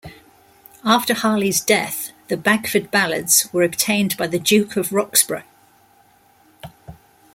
After Harley's death, the Bagford Ballads were obtained by the Duke of Roxburge.